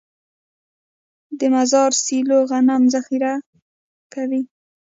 د مزار سیلو غنم ذخیره کوي.